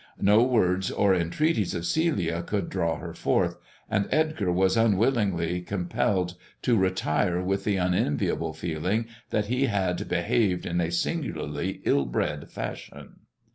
No words or entreaties of Celia could aw her forth, and Edgar was unwillingly compelled to tire with the unenviable feeling that he had behaved in a igulai'ly ill bred fashion.